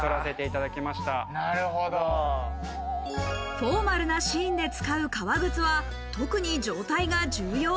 フォーマルなシーンで使う革靴は、特に状態が重要。